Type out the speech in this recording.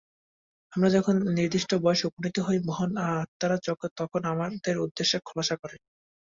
আমরা যখন নির্দিষ্ট বয়সে উপনীত হই, মহান আত্মারা তখন আমাদের উদ্দেশ্য খোলাসা করে।